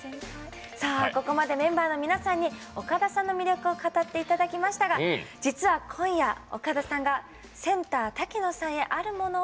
ここまではメンバーの皆さんには岡田さんの魅力を語っていただきましたが今夜、実は岡田さんがセンター・瀧野さんへあるものを